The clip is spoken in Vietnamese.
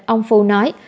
ông phu nói